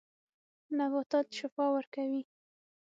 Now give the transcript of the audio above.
نباتات شفاء ورکوي.